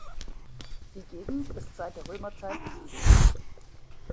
Die Gegend ist seit der Römerzeit besiedelt.